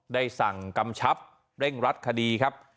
ได้สั่งกำชับเร่งรัดคดีครับ